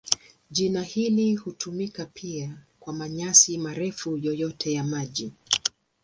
Jina hili hutumika pia kwa manyasi marefu yoyote ya maji.